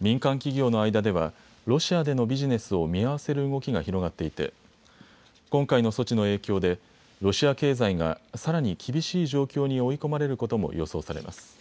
民間企業の間ではロシアでのビジネスを見合わせる動きが広がっていて今回の措置の影響でロシア経済がさらに厳しい状況に追い込まれることも予想されます。